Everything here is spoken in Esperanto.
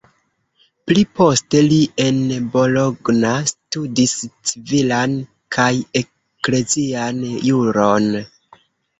Pli poste li en Bologna studis civilan kaj eklezian juron.